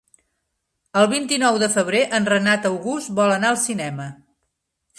El vint-i-nou de febrer en Renat August vol anar al cinema.